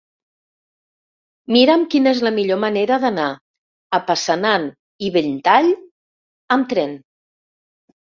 Mira'm quina és la millor manera d'anar a Passanant i Belltall amb tren.